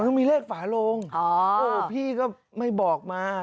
มันต้องมีเลขฝาลงโอ้พี่ก็ไม่บอกมา